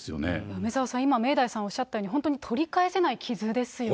梅沢さん、今、明大さん、おっしゃったように、本当に取り返せない傷ですよね。